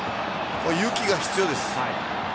勇気が必要です。